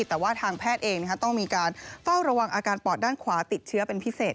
แต่ว่าทางแพทย์เองต้องมีการเฝ้าระวังอาการปอดด้านขวาติดเชื้อเป็นพิเศษ